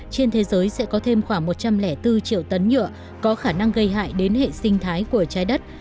trên thế giới sẽ có thêm khoảng một trăm linh bốn triệu tấn nhựa có khả năng gây hại đến hệ sinh thái của trái đất